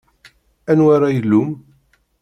Anwa ara ilumm?